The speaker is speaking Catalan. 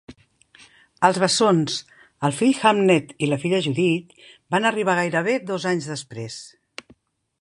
Els bessons, el fill Hamnet i la filla Judith, van arribar gairebé dos anys després.